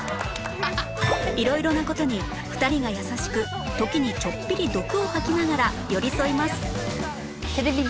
色々な事に２人が優しく時にちょっぴり毒を吐きながら寄り添います